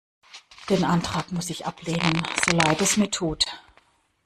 Den Antrag muss ich ablehnen, so leid es mir tut.